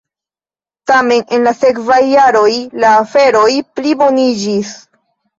Tamen en la sekvaj jaroj la aferoj pliboniĝis.